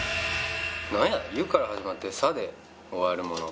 「ゆ」から始まって「さ」で終わるもの